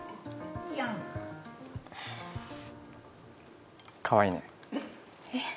いやんかわいいねえっ？